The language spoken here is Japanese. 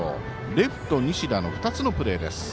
レフト、西田の２つのプレーです。